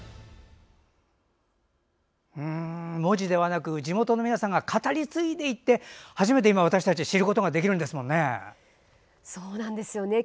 文字ではなく地元の皆さんが語り継いでいって初めて私たち知ることができるんですもんね。